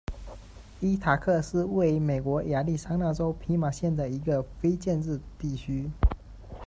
伊塔克是位于美国亚利桑那州皮马县的一个非建制地区。